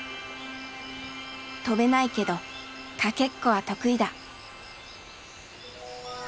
飛べないけどかけっこは得意だ。